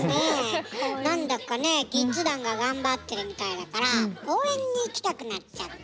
何だかねキッズ団が頑張ってるみたいだから応援に来たくなっちゃって。